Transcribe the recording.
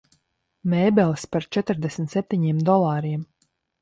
Mēbeles par četrdesmit septiņiem dolāriem.